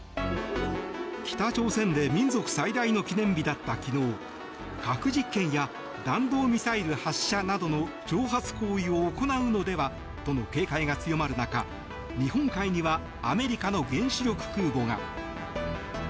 北朝鮮で民族最大の記念日だった昨日核実験や弾道ミサイル発射などの挑発行為を行うのでは、との警戒が強まる中日本海にはアメリカの原子力空母が。